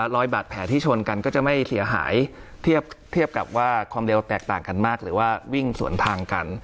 รอยบาดแผลที่ชนกันก็จะไม่เสียหายเทียบกับว่าความเร็วแตกต่างกันมากหรือว่าวิ่งสวนทางกัน